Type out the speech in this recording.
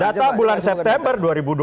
data bulan september dua ribu dua puluh